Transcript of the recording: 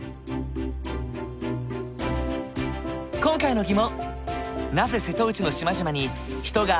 今回の疑問。